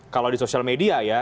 kalau di sosial media ya